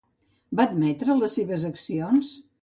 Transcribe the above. Va admetre les seves accions?